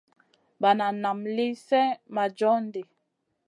Banan naam lì slèh ma john ɗi.